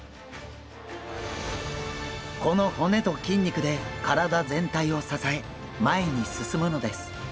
この骨と筋肉で体全体を支え前に進むのです。